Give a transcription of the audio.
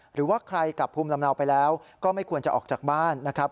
หรือว่าใครกลับภูมิลำเนาไปแล้วก็ไม่ควรจะออกจากบ้านนะครับ